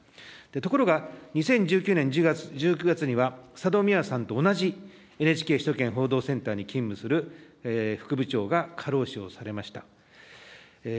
ところが、２０１９年１０月には、佐戸未和さんと同じ、ＮＨＫ首都圏放送センターに勤務する副部長が過労死をされました。